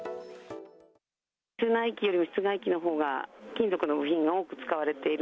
室内機より室外機のほうが、金属の部品が多く使われている。